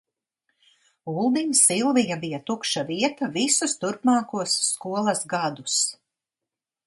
Uldim Silvija bija tukša vieta visus turpmākos skolas gadus.